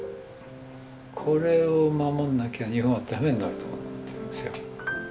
これを守んなきゃ日本はダメになると思ってるんですよ。